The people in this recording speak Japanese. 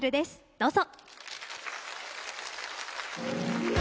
どうぞ。